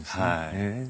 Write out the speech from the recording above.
へえ。